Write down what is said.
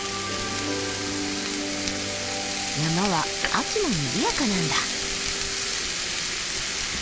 山は秋もにぎやかなんだ。